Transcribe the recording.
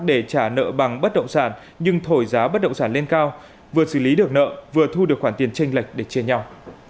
để trả nợ bằng bất động sản nhưng thổi giá bất động sản lên cao vừa xử lý được nợ vừa thu được khoản tiền tranh lệch để chia nhau